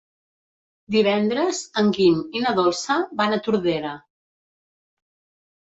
Divendres en Guim i na Dolça van a Tordera.